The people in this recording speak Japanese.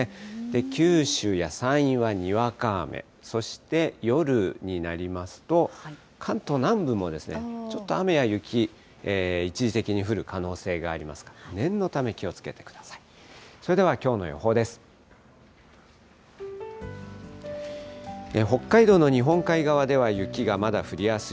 九州や山陰はにわか雨、そして夜になりますと、関東南部もちょっと雨や雪、一時的に降る可能性がありますから、念のため気をつけてください。